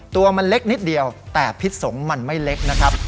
ตัวมันเล็กนิดเดียวแต่พิษสงฆ์มันไม่เล็กนะครับ